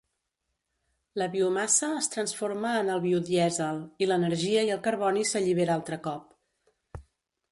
La biomassa es transforma en el biodièsel i l'energia i el carboni s'allibera altre cop.